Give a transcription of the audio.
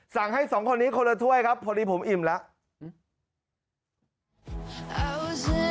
สั่งให้สองคนนี้คนละถ้วยครับพอดีผมอิ่มแล้ว